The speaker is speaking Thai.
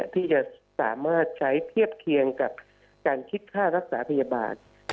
ที่จะสามารถใช้เทียบเคียงกับการคิดค่ารักษาพยาบาล